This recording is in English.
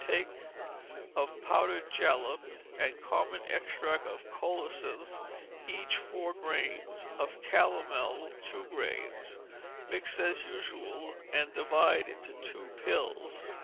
Take of powdered jalap and compound extract of colocynth each four grains, of calomel two grains, mix as usual, and divide into two pills.